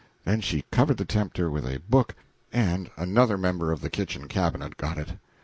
Then she covered the tempter with a book, and another member of the kitchen cabinet got it.